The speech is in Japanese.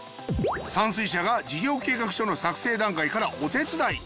山翠舎が事業計画書の作成段階からお手伝い。